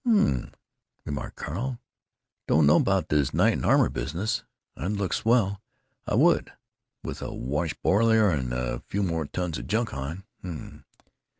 "Mmm!" remarked Carl. "Dun'no' about this knight and armor business. I'd look swell, I would, with a wash boiler and a few more tons of junk on. Mmm!